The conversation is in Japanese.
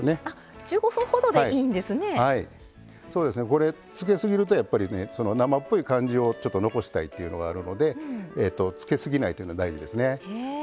これつけすぎるとやっぱりね生っぽい感じをちょっと残したいというのがあるのでつけすぎないというのが大事ですね。